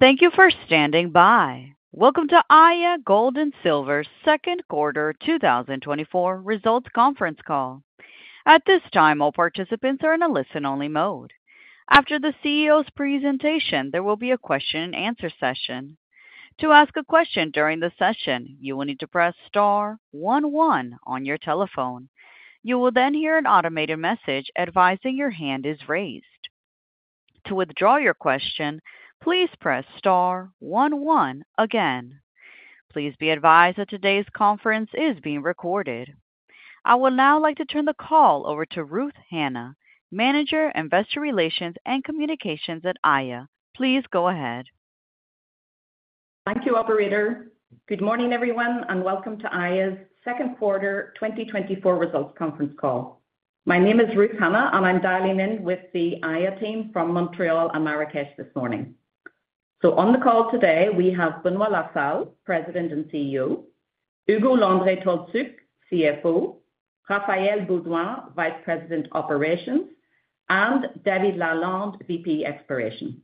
Thank you for standing by. Welcome to Aya Gold & Silver's second quarter 2024 results conference call. At this time, all participants are in a listen-only mode. After the CEO's presentation, there will be a question-and-answer session. To ask a question during the session, you will need to press star one one on your telephone. You will then hear an automated message advising your hand is raised. To withdraw your question, please press star one one again. Please be advised that today's conference is being recorded. I would now like to turn the call over to Ruth Hannah, Manager, Investor Relations and Communications at Aya Gold & Silver. Please go ahead. Thank you, operator. Good morning, everyone, and welcome to Aya's second quarter 2024 results conference call. My name is Ruth Hannah, and I'm dialing in with the Aya team from Montreal and Marrakech this morning. On the call today, we have Benoit La Salle, President and CEO; Ugo Landry-Tolszczuk, CFO; Raphaël Beaudoin, Vice President, Operations; and David Lalonde, VP Exploration.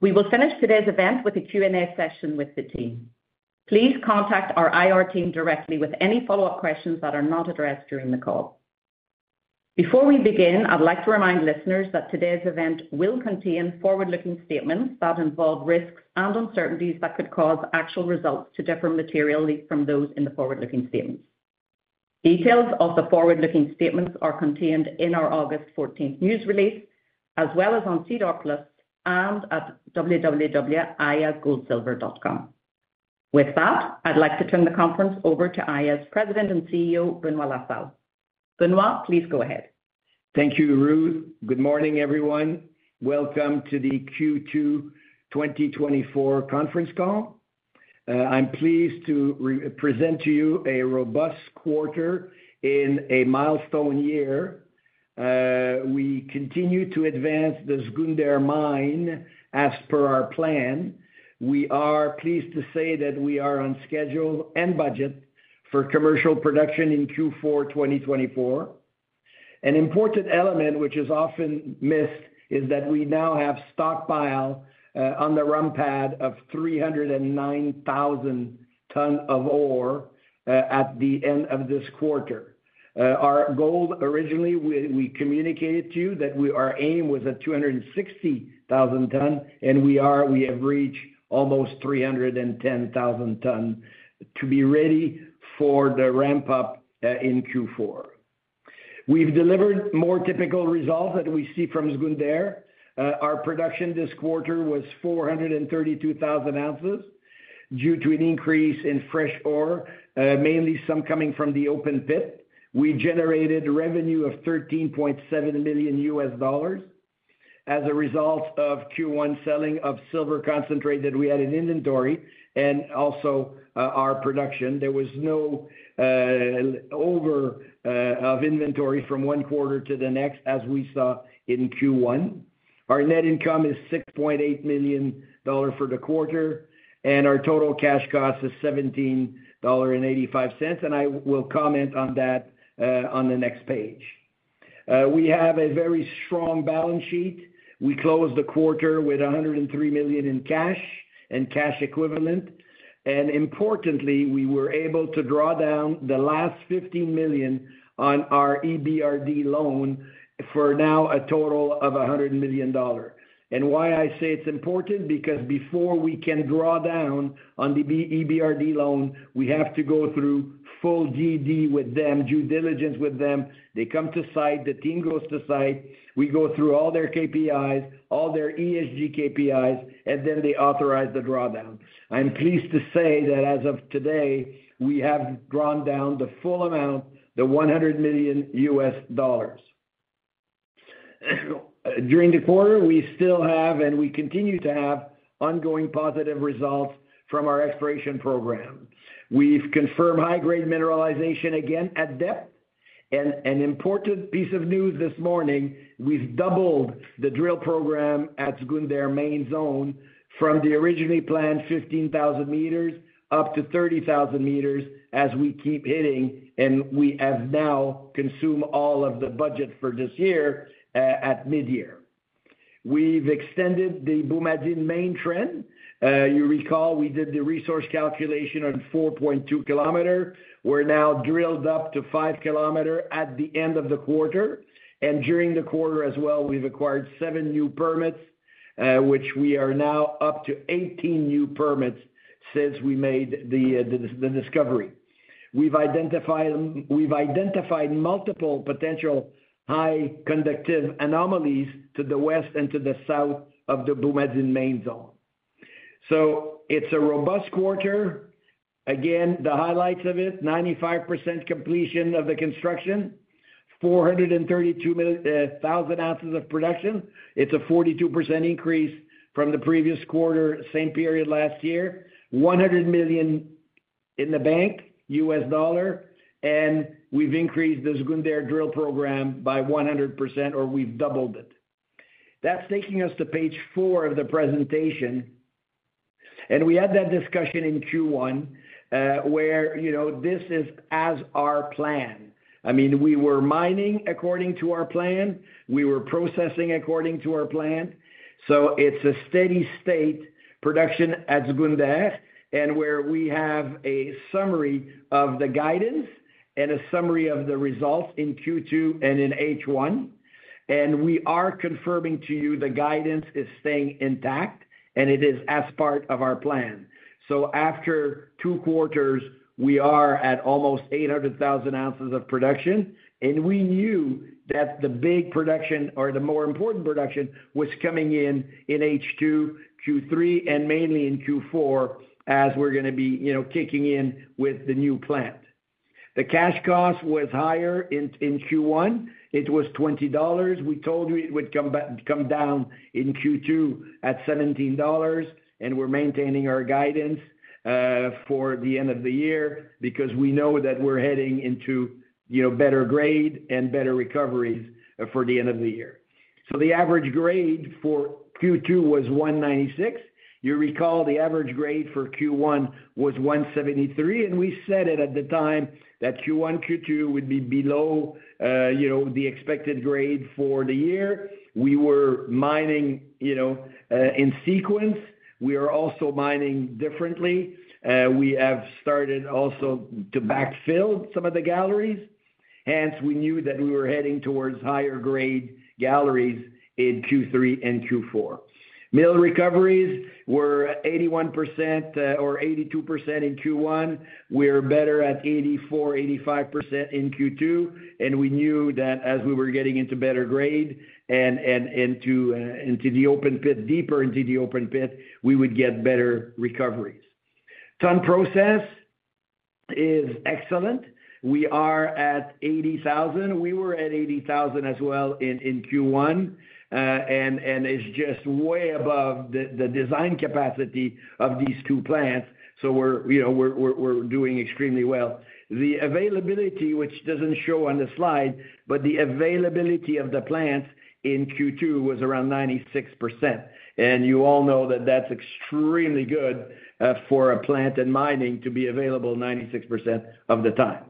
We will finish today's event with a Q&A session with the team. Please contact our IR team directly with any follow-up questions that are not addressed during the call. Before we begin, I'd like to remind listeners that today's event will contain forward-looking statements that involve risks and uncertainties that could cause actual results to differ materially from those in the forward-looking statements. Details of the forward-looking statements are contained in our August fourteenth news release, as well as on SEDAR+ and at www.ayagoldsilver.com. With that, I'd like to turn the conference over to Aya's President and CEO, Benoit La Salle. Benoit, please go ahead. Thank you, Ruth. Good morning, everyone. Welcome to the Q2 2024 conference call. I'm pleased to represent to you a robust quarter in a milestone year. We continue to advance the Zgounder mine as per our plan. We are pleased to say that we are on schedule and budget for commercial production in Q4 2024. An important element, which is often missed, is that we now have stockpile on the ROM pad of 309,000 t of ore at the end of this quarter. Our goal, originally, we, we communicated to you that we- our aim was at 260,000 ton, and we are-- we have reached almost 310,000 t to be ready for the ramp up in Q4. We've delivered more typical results that we see from Zgounder. Our production this quarter was 432,000 ounces due to an increase in fresh ore, mainly some coming from the open pit. We generated revenue of $13.7 million as a result of Q1 selling of silver concentrate that we had in inventory and also, our production. There was no over of inventory from one quarter to the next, as we saw in Q1. Our net income is $6.8 million for the quarter, and our total cash cost is $17.85, and I will comment on that, on the next page. We have a very strong balance sheet. We closed the quarter with $103 million in cash and cash equivalent, and importantly, we were able to draw down the last $50 million on our EBRD loan for now a total of $100 million. And why I say it's important? Because before we can draw down on the EBRD loan, we have to go through full DD with them, due diligence with them. They come to site, the team goes to site, we go through all their KPIs, all their ESG KPIs, and then they authorize the drawdown. I'm pleased to say that as of today, we have drawn down the full amount, the $100 million. During the quarter, we still have, and we continue to have, ongoing positive results from our exploration program. We've confirmed high-grade mineralization again at depth. An important piece of news this morning, we've doubled the drill program at Zgounder main zone from the originally planned 15,000 m up to 30,000 m as we keep hitting, and we have now consumed all of the budget for this year at midyear. We've extended the Boumadine main trend. You recall we did the resource calculation on 4.2 km. We're now drilled up to 5 km at the end of the quarter. During the quarter as well, we've acquired 7 new permits, which we are now up to 18 new permits since we made the discovery. We've identified multiple potential high conductive anomalies to the west and to the south of the Boumadine main zone. So it's a robust quarter. Again, the highlights of it, 95% completion of the construction, 432,000 ounces of production. It's a 42% increase from the previous quarter, same period last year. $100 million in the bank, and we've increased the Zgounder drill program by 100%, or we've doubled it. That's taking us to page 4 of the presentation... We had that discussion in Q1, where, you know, this is as our plan. I mean, we were mining according to our plan, we were processing according to our plan, so it's a steady state production at Zgounder, and where we have a summary of the guidance and a summary of the results in Q2 and in H1. We are confirming to you the guidance is staying intact, and it is as part of our plan. So after two quarters, we are at almost 800,000 ounces of production, and we knew that the big production or the more important production was coming in H2, Q3, and mainly in Q4, as we're gonna be, you know, kicking in with the new plant. The cash cost was higher in Q1. It was $20. We told you it would come down in Q2 at $17, and we're maintaining our guidance for the end of the year because we know that we're heading into, you know, better grade and better recoveries for the end of the year. So the average grade for Q2 was 196. You recall, the average grade for Q1 was 173, and we said it at the time that Q1, Q2 would be below the expected grade for the year. We were mining, you know, in sequence. We are also mining differently, we have started also to backfill some of the galleries, hence, we knew that we were heading towards higher grade galleries in Q3 and Q4. Mill recoveries were 81%, or 82% in Q1. We're better at 84%-85% in Q2, and we knew that as we were getting into better grade and into the open pit, deeper into the open pit, we would get better recoveries. Ton process is excellent. We are at 80,000. We were at 80,000 as well in Q1, and it's just way above the design capacity of these two plants, so we're, you know, we're doing extremely well. The availability, which doesn't show on the slide, but the availability of the plants in Q2 was around 96%, and you all know that that's extremely good for a plant in mining to be available 96% of the time.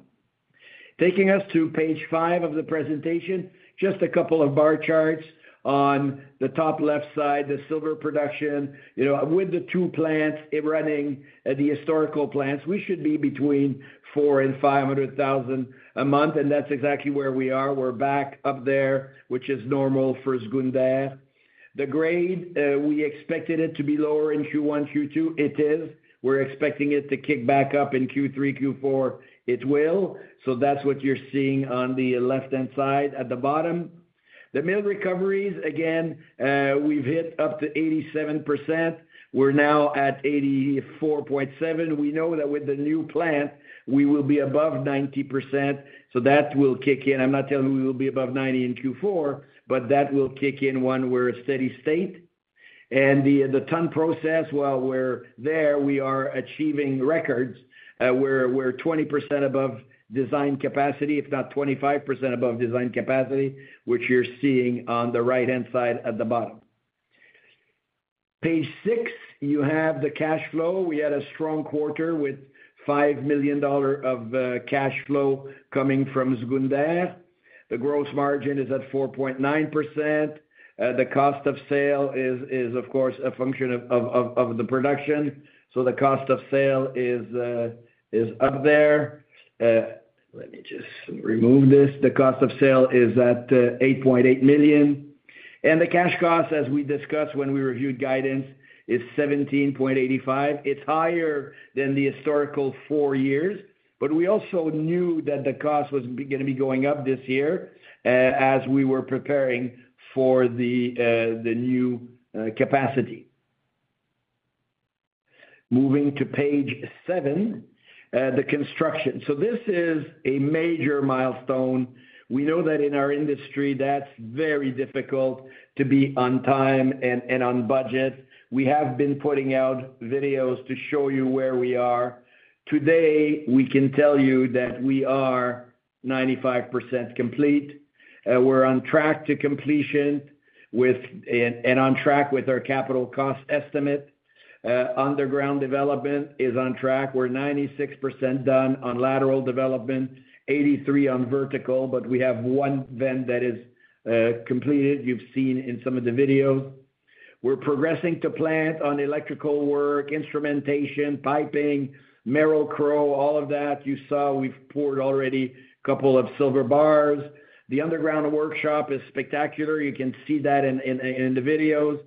Taking us to page 5 of the presentation, just a couple of bar charts. On the top left side, the silver production. You know, with the two plants, it running, the historical plants, we should be between 400,000-500,000 a month, and that's exactly where we are. We're back up there, which is normal for Zgounder. The grade, we expected it to be lower in Q1, Q2. It is. We're expecting it to kick back up in Q3, Q4. It will. So that's what you're seeing on the left-hand side at the bottom. The mill recoveries, again, we've hit up to 87%. We're now at 84.7%. We know that with the new plant, we will be above 90%, so that will kick in. I'm not telling you we will be above 90% in Q4, but that will kick in when we're at steady state. And the, the ton process, while we're there, we are achieving records, we're twenty percent above design capacity, if not twenty-five percent above design capacity, which you're seeing on the right-hand side at the bottom. Page six, you have the cash flow. We had a strong quarter with $5 million of cash flow coming from Zgounder. The gross margin is at 4.9%. The cost of sale is, of course, a function of the production, so the cost of sale is up there. Let me just remove this. The cost of sale is at $8.8 million, and the cash cost, as we discussed when we reviewed guidance, is $17.85. It's higher than the historical four years, but we also knew that the cost was gonna be going up this year, as we were preparing for the new capacity. Moving to page 7, the construction. So this is a major milestone. We know that in our industry, that's very difficult to be on time and on budget. We have been putting out videos to show you where we are. Today, we can tell you that we are 95% complete. We're on track to completion with and on track with our capital cost estimate. Underground development is on track. We're 96% done on lateral development, 83 on vertical, but we have one vent that is completed. You've seen in some of the videos. We're progressing to plant on electrical work, instrumentation, piping, Merrill-Crowe, all of that. You saw we've poured already a couple of silver bars. The underground workshop is spectacular. You can see that in the videos.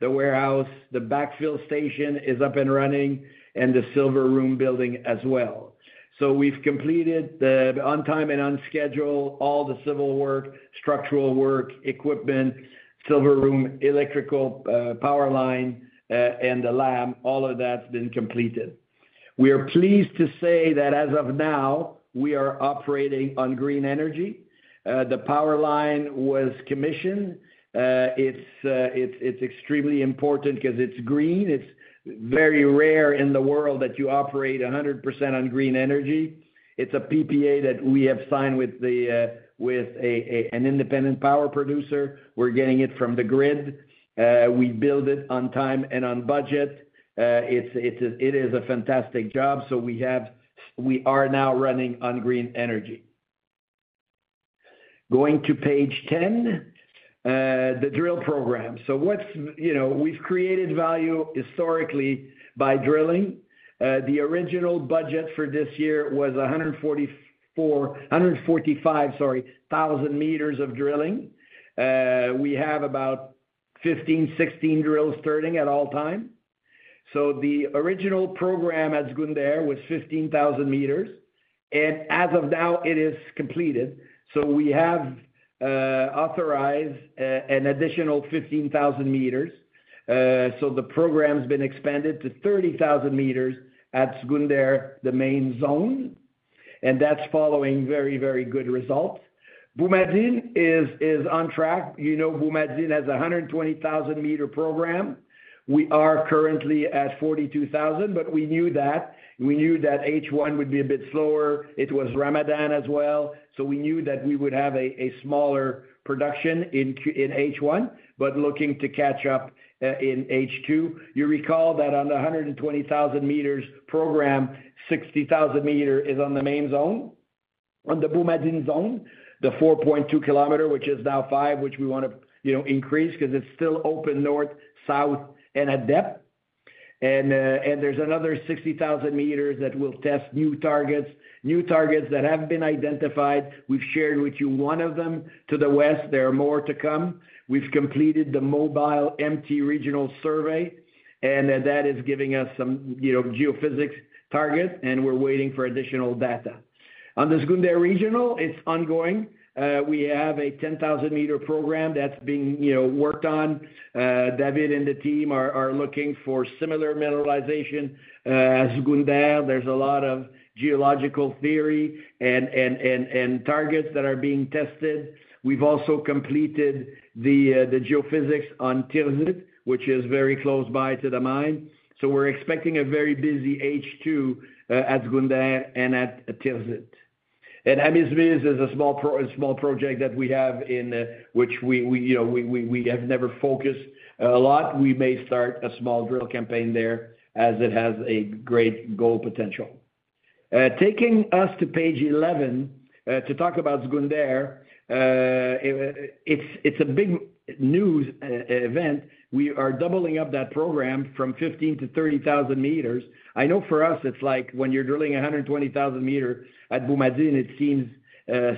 The warehouse, the backfill station is up and running, and the silver room building as well. So we've completed the on time and on schedule, all the civil work, structural work, equipment, silver room, electrical, power line, and the lab, all of that's been completed. We are pleased to say that as of now, we are operating on green energy. The power line was commissioned. It's extremely important because it's green. It's very rare in the world that you operate 100% on green energy. It's a PPA that we have signed with an independent power producer. We're getting it from the grid. We build it on time and on budget. It is a fantastic job, so we have—we are now running on green energy. Going to page 10, the drill program. So, you know, we've created value historically by drilling. The original budget for this year was 144, 145, sorry, thousand meters of drilling. We have about 15, 16 drills turning at all time. So the original program at Zgounder was 15,000 m, and as of now, it is completed. So we have authorized an additional 15,000 m. So the program's been expanded to 30,000 m at Zgounder, the main zone, and that's following very, very good results. Boumadine is on track. You know, Boumadine has a 120,000-m program. We are currently at 42,000, but we knew that. We knew that H1 would be a bit slower. It was Ramadan as well, so we knew that we would have a smaller production in H1, but looking to catch up in H2. You recall that on the 120,000-m program, 60,000 m is on the main zone, on the Boumadine zone, the 4.2-km, which is now 5, which we want to, you know, increase 'cause it's still open north, south, and at depth. And, and there's another 60,000 m that will test new targets, new targets that have been identified. We've shared with you one of them to the west. There are more to come. We've completed the MobileMT regional survey, and, that is giving us some, you know, geophysics targets, and we're waiting for additional data. On the Zgounder Regional, it's ongoing. We have a 10,000-m program that's being, you know, worked on. David and the team are, are looking for similar mineralization. At Zgounder, there's a lot of geological theory and targets that are being tested. We've also completed the geophysics on Tirzit, which is very close by to the mine. So we're expecting a very busy H2 at Zgounder and at Tirzit. And Amizmiz is a small project that we have in which we, you know, we have never focused a lot. We may start a small drill campaign there, as it has a great gold potential. Taking us to page 11 to talk about Zgounder, it's a big news event. We are doubling up that program from 15 m-30,000 m. I know for us, it's like when you're drilling 120,000 m at Boumadine, it seems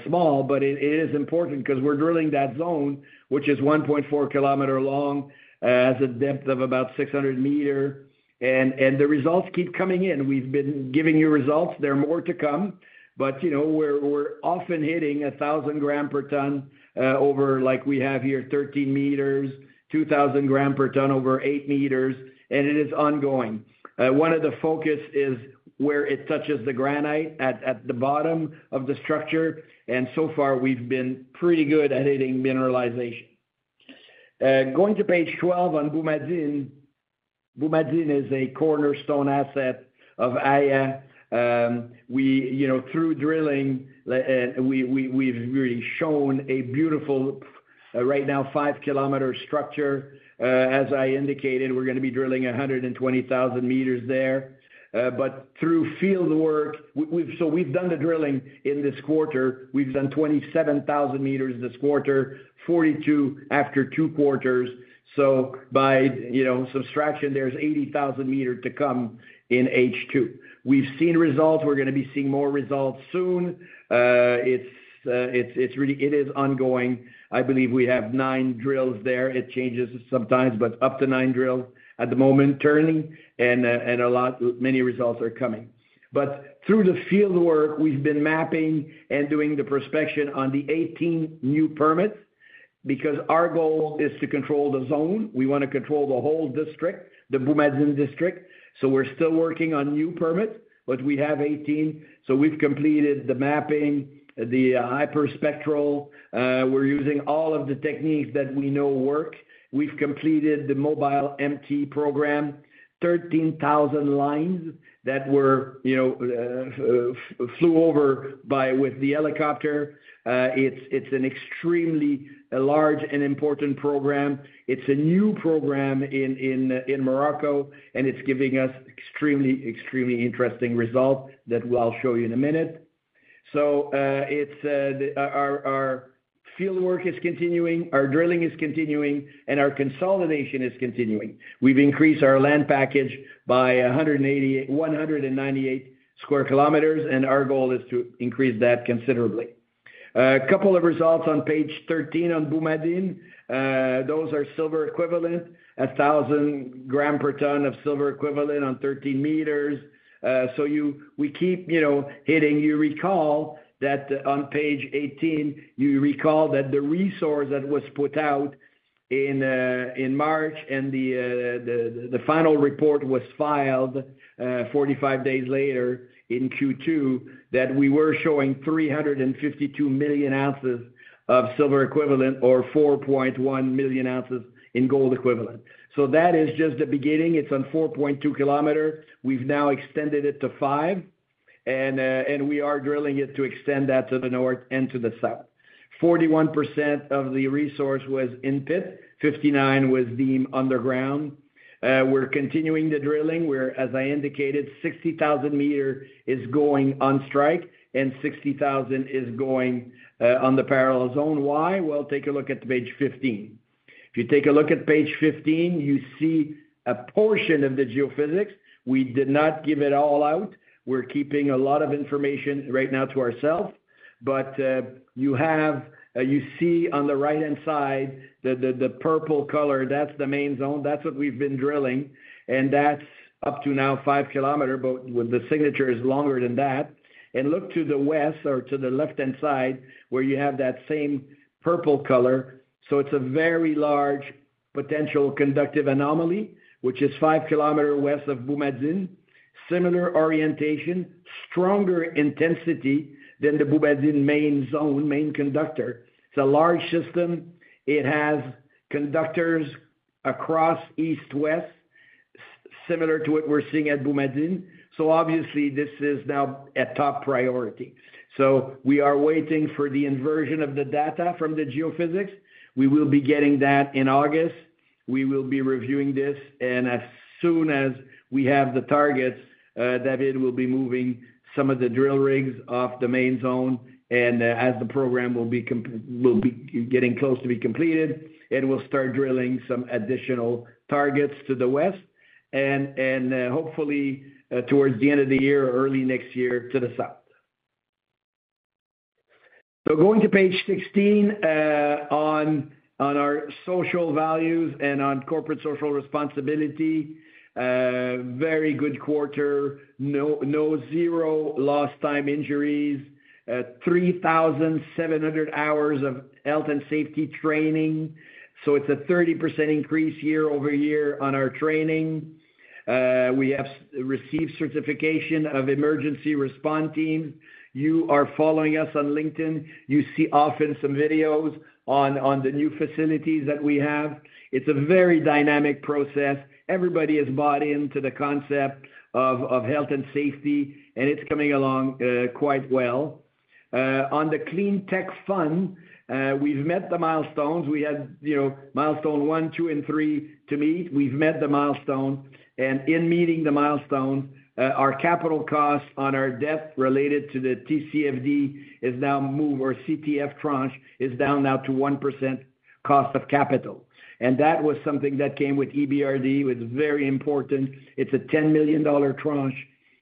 small, but it is important 'cause we're drilling that zone, which is 1.4 km long, has a depth of about 600 m, and the results keep coming in. We've been giving you results. There are more to come, but you know, we're often hitting 1,000 g per t over, like we have here, 13 m, 2,000 g per t over 8 m, and it is ongoing. One of the focus is where it touches the granite at the bottom of the structure, and so far, we've been pretty good at hitting mineralization. Going to page 12 on Boumadine. Boumadine is a cornerstone asset of Aya. We, you know, through drilling, we've really shown a beautiful, right now, 5-km structure. As I indicated, we're gonna be drilling 120,000 m there. But through field work, so we've done the drilling in this quarter. We've done 27,000 m this quarter, 42,000 after two quarters, so by, you know, subtraction, there's 80,000 m to come in H2. We've seen results. We're gonna be seeing more results soon. It's really it is ongoing. I believe we have 9 drills there. It changes sometimes, but up to 9 drills at the moment, turning, and many results are coming. But through the field work, we've been mapping and doing the prospection on the 18 new permits, because our goal is to control the zone. We want to control the whole district, the Boumadine district, so we're still working on new permits, but we have 18. So we've completed the mapping, the hyperspectral. We're using all of the techniques that we know work. We've completed the MobileMT program, 13,000 lines that were, you know, flew over by- with the helicopter. It's an extremely large and important program. It's a new program in, in, in Morocco, and it's giving us extremely, extremely interesting results that I'll show you in a minute. So, it's, the, our, our field work is continuing, our drilling is continuing, and our consolidation is continuing. We've increased our land package by a hundred and eighty- one hundred and ninety-eight square kilometers, and our goal is to increase that considerably. A couple of results on page 13 on Boumadine. Those are silver equivalent, 1,000 g per t of silver equivalent on 13 m. So we keep, you know, hitting. You recall that on page 18, you recall that the resource that was put out in March and the final report was filed 45 days later in Q2, that we were showing 352 million ounces of silver equivalent or 4.1 million ounces in gold equivalent. So that is just the beginning. It's on 4.2 km. We've now extended it to 5. And we are drilling it to extend that to the north and to the south. 41% of the resource was in pit, 59% was deemed underground. We're continuing the drilling, where, as I indicated, 60,000 m is going on strike and 60,000 is going on the parallel zone. Why? Well, take a look at page 15. If you take a look at page 15, you see a portion of the geophysics. We did not give it all out. We're keeping a lot of information right now to ourselves, but you have—you see on the right-hand side, the, the, the purple color, that's the main zone, that's what we've been drilling, and that's up to now 5 km, but well, the signature is longer than that. And look to the west or to the left-hand side, where you have that same purple color. So it's a very large potential conductive anomaly, which is 5 km west of Boumadine. Similar orientation, stronger intensity than the Boumadine main zone, main conductor. It's a large system. It has conductors across east-west, similar to what we're seeing at Boumadine. So obviously, this is now a top priority. So we are waiting for the inversion of the data from the geophysics. We will be getting that in August. We will be reviewing this, and as soon as we have the targets, David will be moving some of the drill rigs off the main zone, and as the program will be getting close to be completed, and we'll start drilling some additional targets to the west, and hopefully towards the end of the year or early next year to the south. So going to page 16, on our social values and on corporate social responsibility, very good quarter. No, zero lost time injuries, 3,700 hours of health and safety training. So it's a 30% increase year-over-year on our training. We have received certification of emergency response teams. You are following us on LinkedIn. You see often some videos on the new facilities that we have. It's a very dynamic process. Everybody has bought into the concept of health and safety, and it's coming along quite well. On the Clean Technology Fund, we've met the milestones. We had, you know, milestone 1, 2, and 3 to meet. We've met the milestone, and in meeting the milestone, our capital costs on our debt related to the CTF is now moved, our CTF tranche is down now to 1% cost of capital. And that was something that came with EBRD, it was very important. It's a $10 million tranche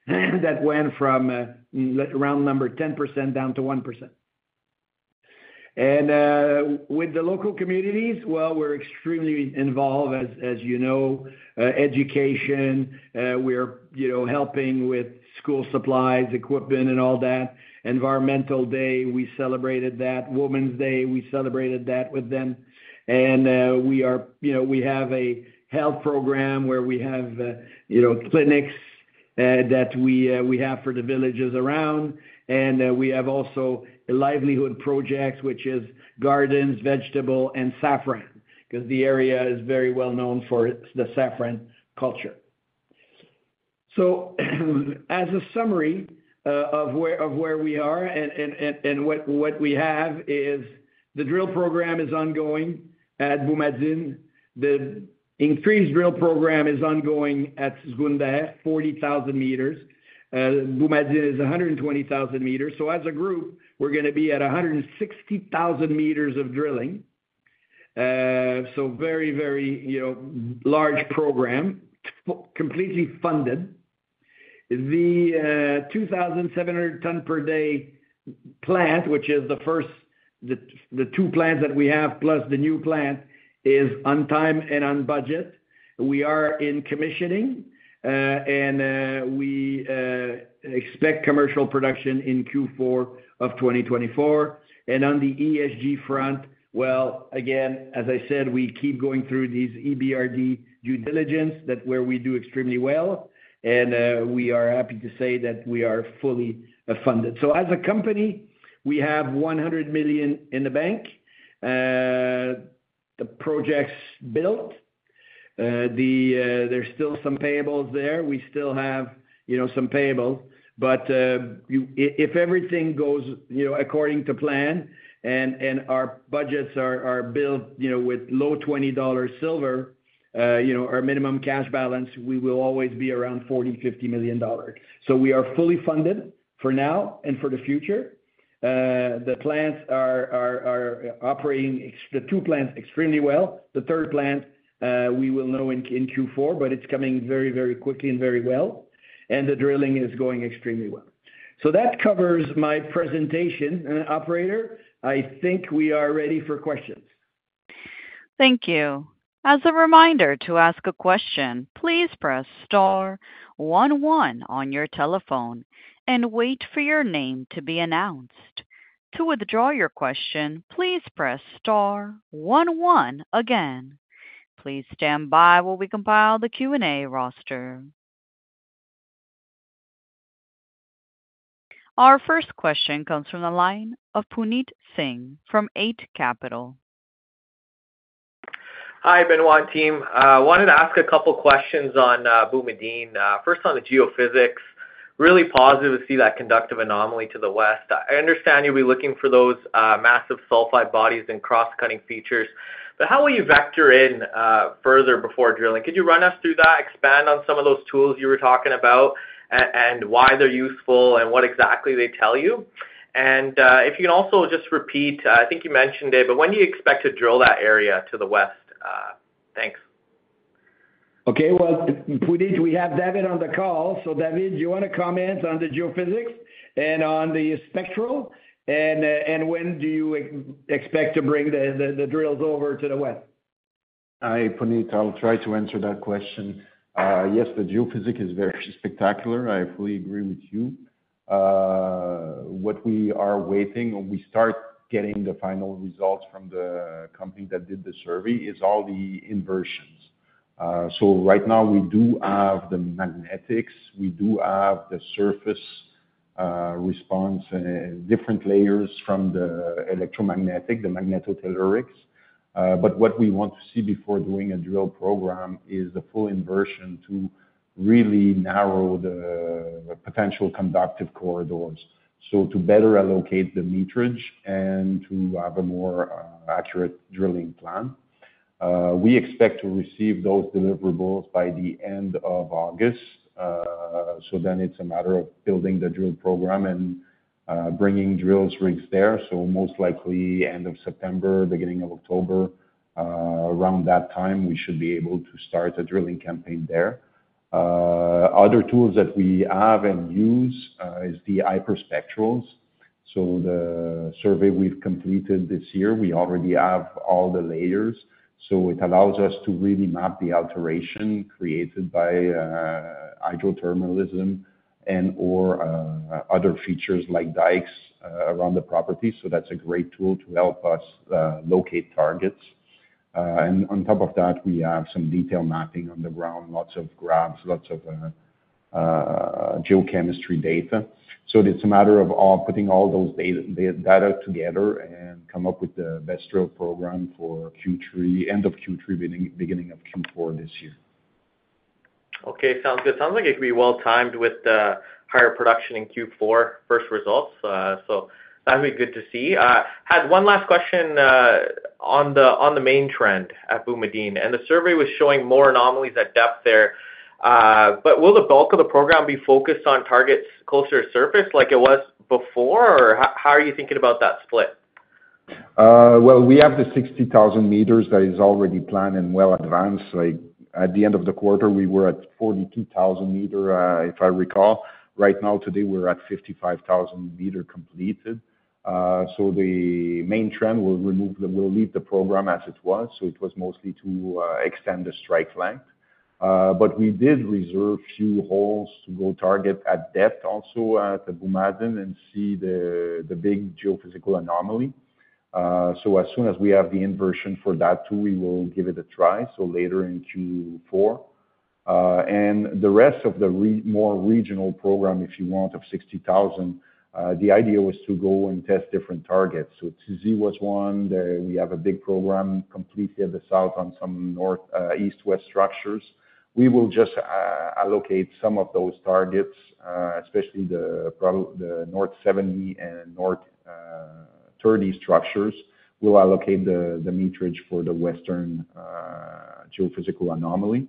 that went from, round number, 10% down to 1%. And, with the local communities, well, we're extremely involved, as you know. Education, we're, you know, helping with school supplies, equipment, and all that. Environmental Day, we celebrated that. Women's Day, we celebrated that with them. And, we are, you know, we have a health program where we have, you know, clinics, that we, we have for the villages around. And, we have also a livelihood project, which is gardens, vegetable, and saffron, because the area is very well known for its, the saffron culture. So as a summary, of where we are and what we have is, the drill program is ongoing at Boumadine. The extreme drill program is ongoing at Zgounder, 40,000 m. Boumadine is 120,000 m. So as a group, we're gonna be at 160,000 m of drilling. So very, very, you know, large program, completely funded. The 2,700 t per day plant, which is the first, the two plants that we have plus the new plant, is on time and on budget. We are in commissioning and we expect commercial production in Q4 of 2024. And on the ESG front, well, again, as I said, we keep going through these EBRD due diligence, that, where we do extremely well, and we are happy to say that we are fully funded. So as a company, we have $100 million in the bank, the projects built. There's still some payables there. We still have, you know, some payable, but if everything goes, you know, according to plan and our budgets are built, you know, with low $20 silver, you know, our minimum cash balance, we will always be around $40-$50 million. So we are fully funded for now and for the future. The plants are operating. The two plants extremely well. The third plant, we will know in Q4, but it's coming very, very quickly and very well, and the drilling is going extremely well. So that covers my presentation. Operator, I think we are ready for questions. Thank you. As a reminder to ask a question, please press star one one on your telephone and wait for your name to be announced. To withdraw your question, please press star one one again. Please stand by while we compile the Q&A roster. Our first question comes from the line of Puneet Singh from Eight Capital.... Hi, Benoit team. Wanted to ask a couple questions on Boumadine. First on the geophysics, really positive to see that conductive anomaly to the west. I understand you'll be looking for those massive sulfide bodies and cross-cutting features, but how will you vector in further before drilling? Could you run us through that, expand on some of those tools you were talking about and why they're useful and what exactly they tell you? And if you can also just repeat, I think you mentioned it, but when do you expect to drill that area to the west? Thanks. Okay. Well, Puneet, we have David on the call. So David, do you want to comment on the geophysics and on the spectral? And when do you expect to bring the drills over to the west? Hi, Puneet. I'll try to answer that question. Yes, the geophysics is very spectacular. I fully agree with you. What we are waiting, when we start getting the final results from the company that did the survey, is all the inversions. So right now we do have the magnetics, we do have the surface response, different layers from the electromagnetic, the magnetotellurics. But what we want to see before doing a drill program is the full inversion to really narrow the potential conductive corridors, so to better allocate the meterage and to have a more accurate drilling plan. We expect to receive those deliverables by the end of August. So then it's a matter of building the drill program and bringing drill rigs there. So most likely end of September, beginning of October, around that time, we should be able to start the drilling campaign there. Other tools that we have and use is the hyperspectral. So the survey we've completed this year, we already have all the layers, so it allows us to really map the alteration created by hydrothermalism and/or other features like dikes around the property. So that's a great tool to help us locate targets. And on top of that, we have some detailed mapping on the ground, lots of grabs, lots of geochemistry data. So it's a matter of putting all those data together and come up with the best drill program for Q3, end of Q3, beginning of Q4 this year. Okay, sounds good. Sounds like it could be well timed with the higher production in Q4, first results. So that'll be good to see. Had one last question on the main trend at Boumadine, and the survey was showing more anomalies at depth there. But will the bulk of the program be focused on targets closer to surface like it was before? Or how are you thinking about that split? Well, we have the 60,000 m that is already planned and well advanced. Like, at the end of the quarter, we were at 42,000 m, if I recall. Right now, today, we're at 55,000 m completed. So the main trend will lead the program as it was, so it was mostly to extend the strike length. But we did reserve few holes to go target at depth, also at the Boumadine and see the big geophysical anomaly. So as soon as we have the inversion for that too, we will give it a try, so later in Q4. And the rest of the more regional program, if you want, of 60,000, the idea was to go and test different targets. So Tirzit was one, we have a big program completed the south on some north, east-west structures. We will just allocate some of those targets, especially the North 70 and North 30 structures. We'll allocate the meterage for the western geophysical anomaly.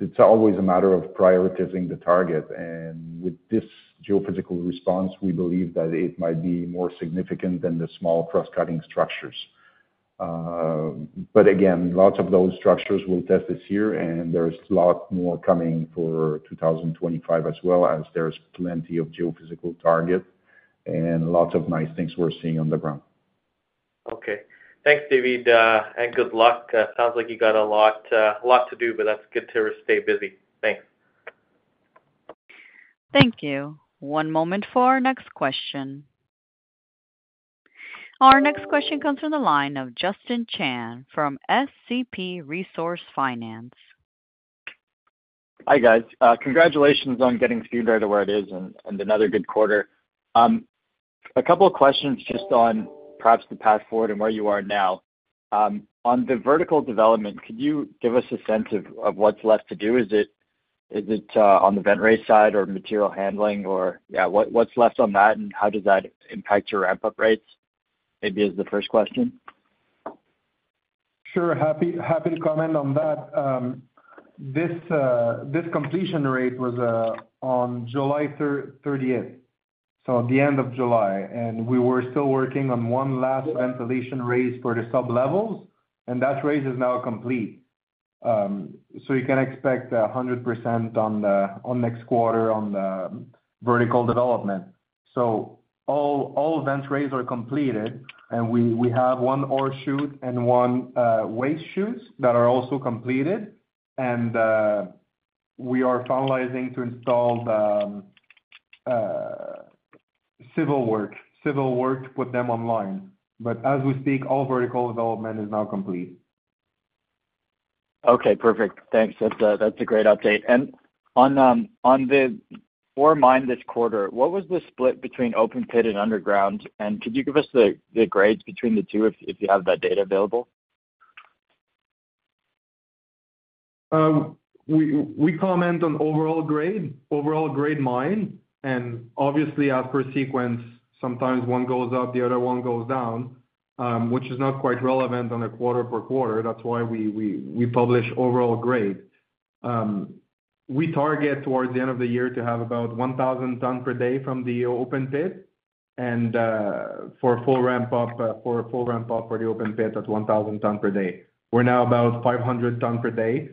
It's always a matter of prioritizing the target, and with this geophysical response, we believe that it might be more significant than the small cross-cutting structures. But again, lots of those structures we'll test this year, and there's a lot more coming for 2025 as well, as there's plenty of geophysical targets and lots of nice things we're seeing on the ground. Okay. Thanks, David, and good luck. Sounds like you got a lot, a lot to do, but that's good to stay busy. Thanks. Thank you. One moment for our next question. Our next question comes from the line of Justin Chan from SCP Resource Finance. Hi, guys. Congratulations on getting Zgounder to where it is and another good quarter. A couple of questions just on perhaps the path forward and where you are now. On the vertical development, could you give us a sense of what's left to do? Is it on the vent raise side or material handling or, yeah, what's left on that, and how does that impact your ramp-up rates? Maybe is the first question. Sure, happy to comment on that. This completion rate was on July 30th, so at the end of July, and we were still working on one last ventilation raise for the sub-levels, and that raise is now complete. So you can expect 100% on next quarter on the vertical development. So all vent raise are completed, and we have one ore chute and one waste chutes that are also completed. And we are finalizing to install the civil work to put them online. But as we speak, all vertical development is now complete.... Okay, perfect. Thanks. That's a great update. And on the ore mine this quarter, what was the split between open pit and underground? And could you give us the grades between the two, if you have that data available? We comment on overall grade, mine, and obviously, as per sequence, sometimes one goes up, the other one goes down, which is not quite relevant on a quarter-over-quarter. That's why we publish overall grade. We target towards the end of the year to have about 1,000 t per day from the open pit, and for a full ramp up for the open pit at 1,000 t per day. We're now about 500 t per day,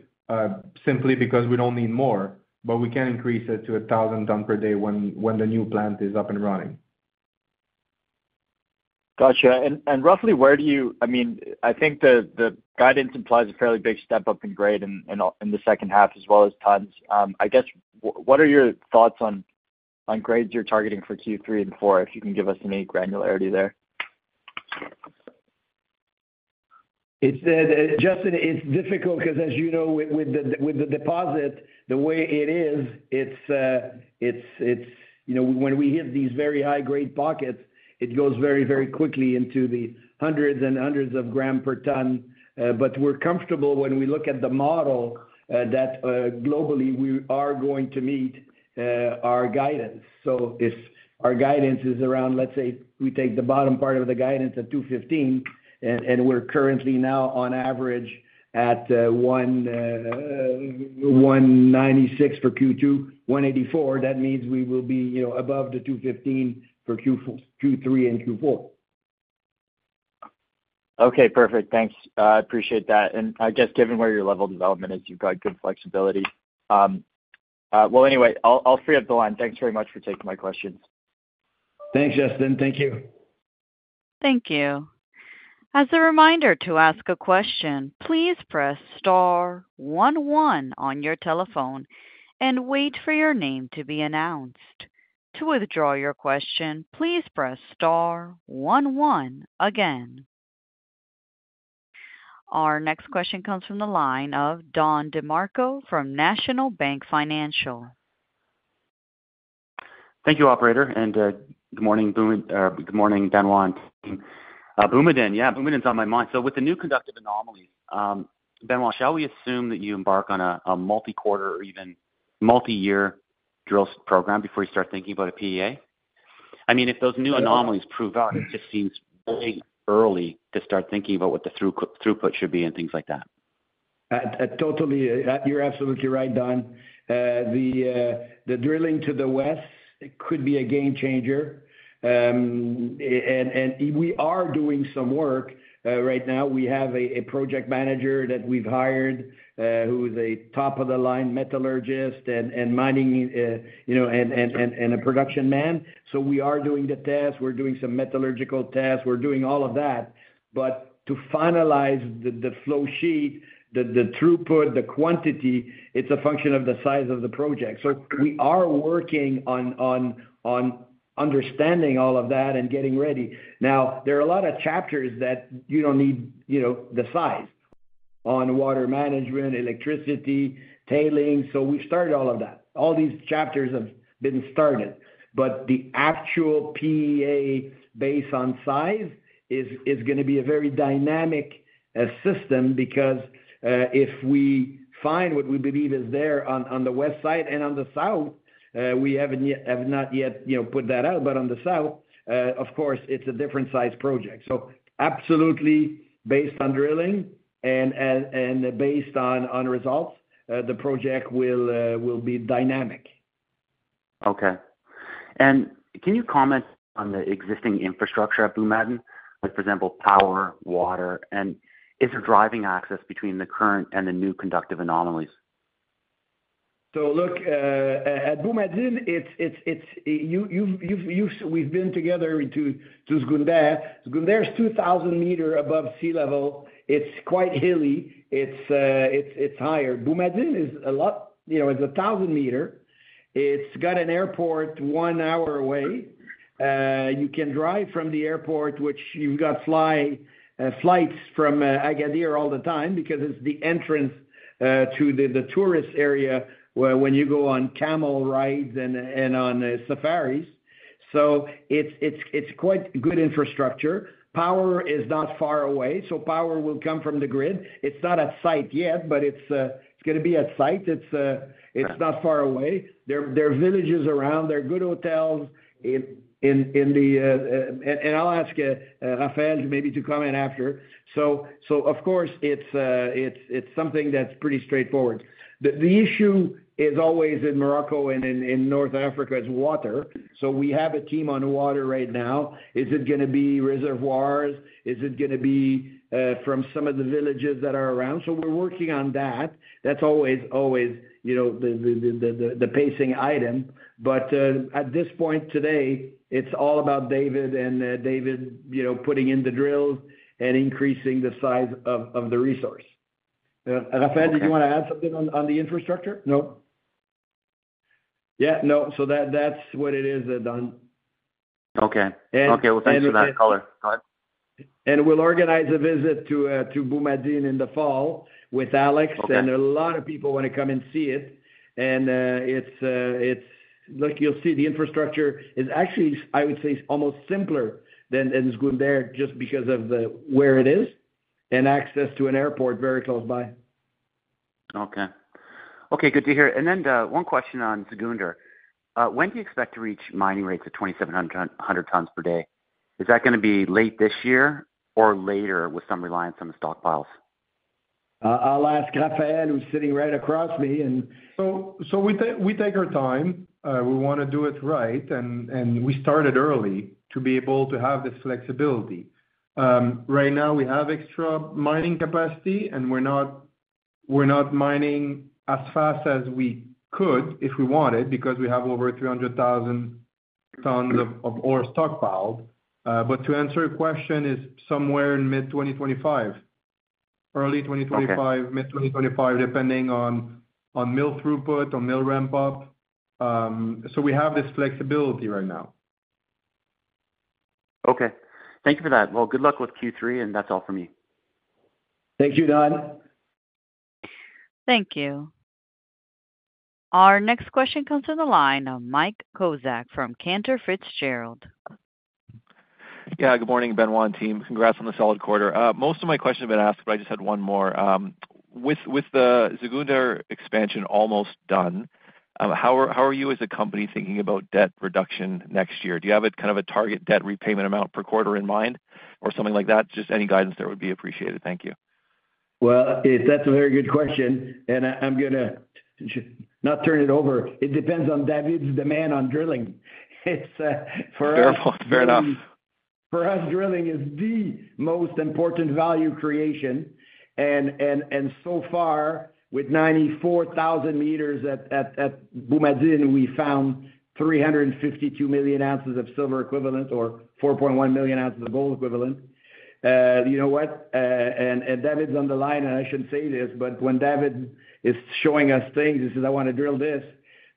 simply because we don't need more, but we can increase it to 1,000 t per day when the new plant is up and running. Got you. And roughly where do you, I mean, I think the guidance implies a fairly big step up in grade in the second half as well as tons. I guess, what are your thoughts on grades you're targeting for Q3 and 4, if you can give us any granularity there? It's, Justin, it's difficult, 'cause as you know, with the deposit, the way it is, you know, when we hit these very high grade pockets, it goes very, very quickly into the hundreds and hundreds of gram per ton. But we're comfortable when we look at the model, that globally, we are going to meet our guidance. So if our guidance is around, let's say, we take the bottom part of the guidance at 215, and we're currently now on average at 196 for Q2, 184, that means we will be, you know, above the 215 for Q3 and Q4. Okay, perfect. Thanks. I appreciate that. And I guess given where your lateral development is, you've got good flexibility. Well, anyway, I'll free up the line. Thanks very much for taking my questions. Thanks, Justin. Thank you. Thank you. As a reminder to ask a question, please press star one one on your telephone and wait for your name to be announced. To withdraw your question, please press star one one again. Our next question comes from the line of Don DeMarco from National Bank Financial. Thank you, operator, and good morning, or good morning, Benoit. Boumadine, yeah, Boumadine is on my mind. So with the new conductive anomalies, Benoit, shall we assume that you embark on a multi-quarter or even multi-year drill program before you start thinking about a PEA? I mean, if those new anomalies prove out, it just seems really early to start thinking about what the throughput should be and things like that. Totally. You're absolutely right, Don. The drilling to the west, it could be a game changer. And we are doing some work. Right now, we have a project manager that we've hired, who is a top-of-the-line metallurgist and mining, you know, and a production man. So we are doing the tests. We're doing some metallurgical tests. We're doing all of that. But to finalize the flow sheet, the throughput, the quantity, it's a function of the size of the project. So we are working on understanding all of that and getting ready. Now, there are a lot of chapters that you don't need, you know, the size, on water management, electricity, tailing. So we started all of that. All these chapters have been started, but the actual PEA based on size is gonna be a very dynamic system, because if we find what we believe is there on the west side and on the south, we haven't yet, have not yet, you know, put that out. But on the south, of course, it's a different size project. So absolutely, based on drilling and based on results, the project will be dynamic. Okay. And can you comment on the existing infrastructure at Boumadine, like, for example, power, water, and is there driving access between the current and the new conductive anomalies? So look at Boumadine, it's you've we've been together to Zgounder. Zgounder is 2,000 m above sea level. It's quite hilly. It's higher. Boumadine is a lot, you know, it's 1,000 m. It's got an airport 1 hour away. You can drive from the airport, which you've got flights from Agadir all the time because it's the entrance to the tourist area, where when you go on camel rides and on safaris. So it's quite good infrastructure. Power is not far away, so power will come from the grid. It's not at site yet, but it's gonna be at site. It's not far away. There are villages around, there are good hotels in the uh uh... I'll ask Raphaël maybe to comment after. So, of course, it's something that's pretty straightforward. The issue is always in Morocco and in North Africa, is water. So we have a team on water right now. Is it gonna be reservoirs? Is it gonna be from some of the villages that are around? So we're working on that. That's always, you know, the pacing item. But at this point today, it's all about David and David, you know, putting in the drills and increasing the size of the resource. Raphaël, did you want to add something on the infrastructure? No?... Yeah, no, so that's what it is, Don. Okay. And- Okay, well, thanks for that color. Go ahead. We'll organize a visit to Boumadine in the fall with Alex. Okay. And a lot of people wanna come and see it, and it's like you'll see the infrastructure is actually, I would say, almost simpler than Zgounder, just because of the where it is and access to an airport very close by. Okay. Okay, good to hear. And then, one question on Zgounder. When do you expect to reach mining rates of 2,700 t per day? Is that gonna be late this year or later, with some reliance on the stockpiles? I'll ask Raphaël, who's sitting right across me and- So we take our time. We wanna do it right, and we started early to be able to have this flexibility. Right now we have extra mining capacity, and we're not mining as fast as we could if we wanted, because we have over 300,000 t of ore stockpiled. But to answer your question, is somewhere in mid-2025. Early 2025- Okay... mid-2025, depending on mill throughput, on mill ramp up. So we have this flexibility right now. Okay, thank you for that. Well, good luck with Q3, and that's all for me. Thank you, Don. Thank you. Our next question comes from the line of Mike Kozak from Cantor Fitzgerald. Yeah, good morning, Benoit team. Congrats on the solid quarter. Most of my questions have been asked, but I just had one more. With the Zgounder expansion almost done, how are you as a company thinking about debt reduction next year? Do you have a kind of a target debt repayment amount per quarter in mind or something like that? Just any guidance there would be appreciated. Thank you. Well, it's a very good question, and I'm gonna not turn it over. It depends on David's demand on drilling. It's for us- Fair enough. For us, drilling is the most important value creation. So far, with 94,000 m at Boumadine, we found 352 million ounces of silver equivalent or 4.1 million ounces of gold equivalent. You know what? And David's on the line, and I shouldn't say this, but when David is showing us things, he says, "I wanna drill this,"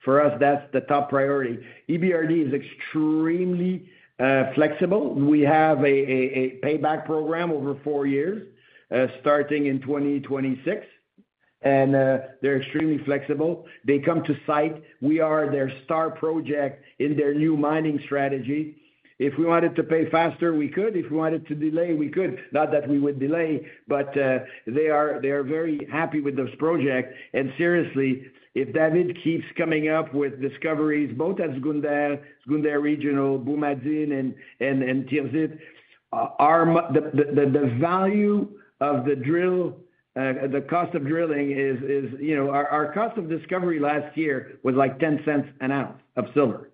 for us, that's the top priority. EBRD is extremely flexible. We have a payback program over four years, starting in 2026, and they're extremely flexible. They come to site. We are their star project in their new mining strategy. If we wanted to pay faster, we could. If we wanted to delay, we could. Not that we would delay, but they are very happy with this project. Seriously, if David keeps coming up with discoveries, both at Zgounder, Zgounder regional, Boumadine and, and, and Tirzit, the value of the drill, the cost of drilling is, is, you know... Our, our cost of discovery last year was, like, $0.10 an ounce of silver.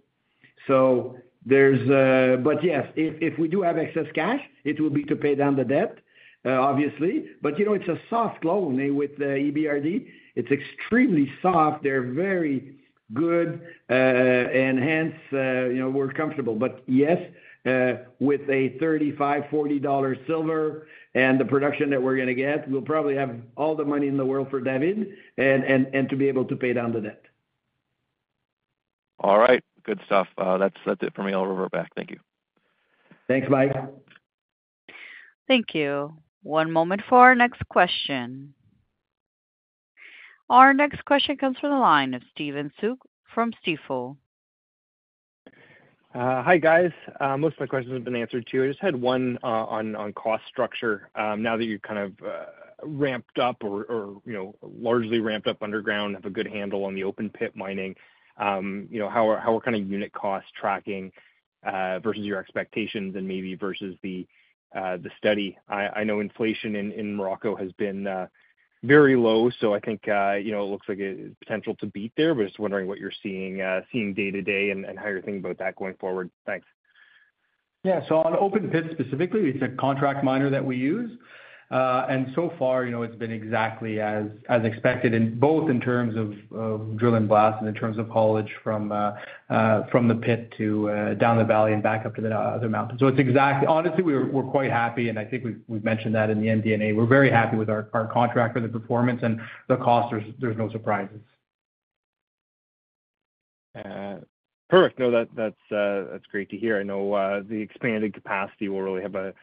So but yes, if, if we do have excess cash, it will be to pay down the debt, obviously. But, you know, it's a soft loan with the EBRD. It's extremely soft. They're very good, and hence, you know, we're comfortable. But yes, with $35-$40 silver and the production that we're gonna get, we'll probably have all the money in the world for David and, and, and to be able to pay down the debt. All right. Good stuff. That's it for me. I'll revert back. Thank you. Thanks, Mike. Thank you. One moment for our next question. Our next question comes from the line of Stephen Soock from Stifel. Hi, guys. Most of my questions have been answered, too. I just had one on cost structure. Now that you've kind of ramped up or you know largely ramped up underground, have a good handle on the open pit mining, you know, how are kind of unit costs tracking versus your expectations and maybe versus the study? I know inflation in Morocco has been very low, so I think you know it looks like a potential to beat there. But just wondering what you're seeing day to day and how you're thinking about that going forward. Thanks. Yeah. So on open pit specifically, it's a contract miner that we use. And so far, you know, it's been exactly as expected in both in terms of drill and blast, and in terms of haulage from the pit to down the valley and back up to the other mountain. So it's exactly, honestly, we're quite happy, and I think we've mentioned that in the MD&A. We're very happy with our contractor, the performance and the cost. There's no surprises. Perfect. No, that, that's great to hear. I know, the expanded capacity will really have a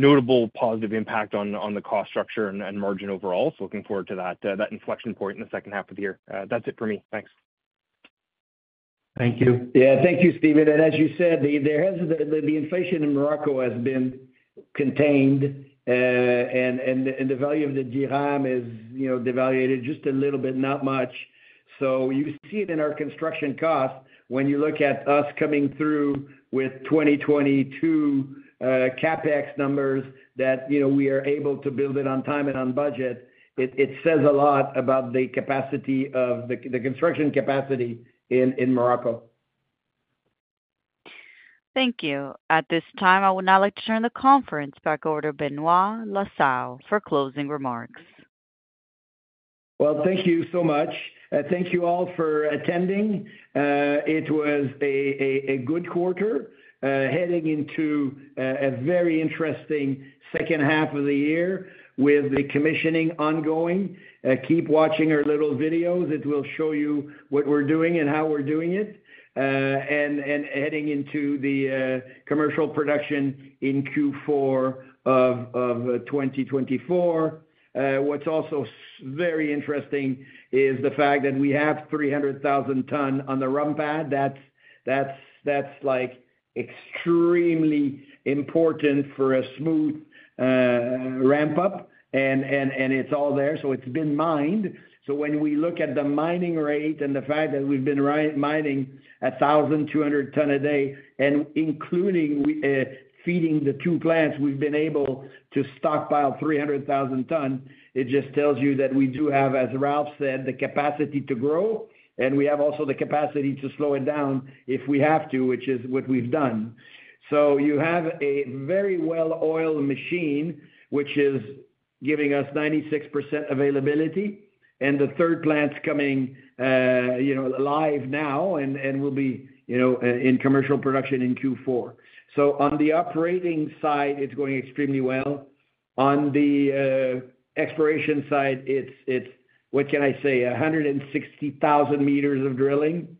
notable positive impact on the cost structure and margin overall. So looking forward to that, that inflection point in the second half of the year. That's it for me. Thanks. Thank you. Yeah, thank you, Stephen. And as you said, the inflation in Morocco has been contained, and the value of the dirham is, you know, devalued just a little bit, not much. So you see it in our construction costs. When you look at us coming through with 2022 CapEx numbers that, you know, we are able to build it on time and on budget, it says a lot about the capacity of the construction capacity in Morocco. Thank you. At this time, I would now like to turn the conference back over to Benoit La Salle for closing remarks.... Well, thank you so much. Thank you all for attending. It was a good quarter, heading into a very interesting second half of the year with the commissioning ongoing. Keep watching our little videos. It will show you what we're doing and how we're doing it. And heading into the commercial production in Q4 of 2024. What's also very interesting is the fact that we have 300,000 t on the ROM pad. That's like extremely important for a smooth ramp-up, and it's all there, so it's been mined. So when we look at the mining rate and the fact that we've been mining 1,200 t a day, and including we feeding the two plants, we've been able to stockpile 300,000 t. It just tells you that we do have, as Ralph said, the capacity to grow, and we have also the capacity to slow it down if we have to, which is what we've done. So you have a very well-oiled machine, which is giving us 96% availability, and the third plant's coming, you know, live now and will be, you know, in commercial production in Q4. So on the operating side, it's going extremely well. On the exploration side, it's... What can I say? 160,000 m of drilling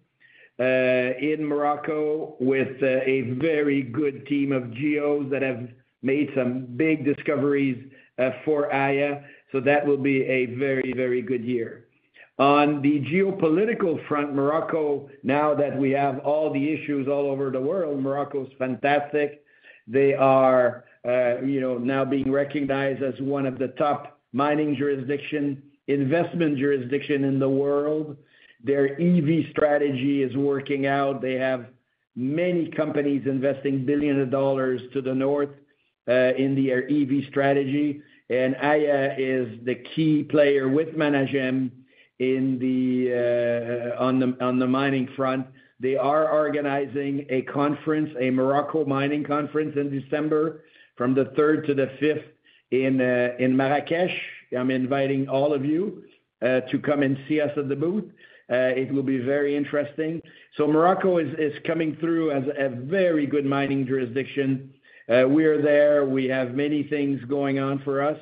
in Morocco, with a very good team of geos that have made some big discoveries for Aya. So that will be a very, very good year. On the geopolitical front, Morocco, now that we have all the issues all over the world, Morocco is fantastic. They are, you know, now being recognized as one of the top mining jurisdiction, investment jurisdiction in the world. Their EV strategy is working out. They have many companies investing billions of dollars to the north, in their EV strategy, and Aya is the key player with Managem in the, on the, on the mining front. They are organizing a conference, a Morocco mining conference in December, from the third to the fifth in, in Marrakech. I'm inviting all of you, to come and see us at the booth. It will be very interesting. So Morocco is coming through as a very good mining jurisdiction. We are there. We have many things going on for us,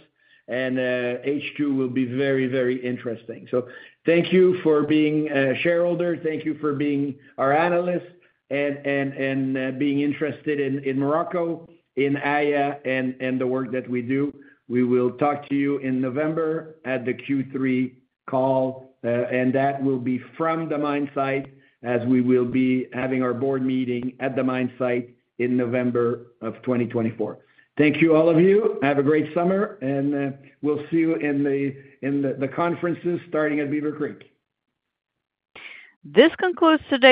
and, H2 will be very, very interesting. So thank you for being a shareholder, thank you for being our analyst, and being interested in Morocco, in Aya, and the work that we do. We will talk to you in November at the Q3 call, and that will be from the mine site, as we will be having our board meeting at the mine site in November of 2024. Thank you, all of you. Have a great summer, and we'll see you in the conferences starting at Beaver Creek. This concludes today.